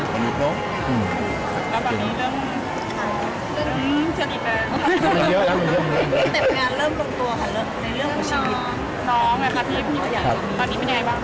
ตอนนี้เป็นยังไงบ้าง